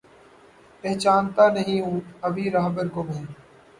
پہچانتا نہیں ہوں ابھی راہبر کو میں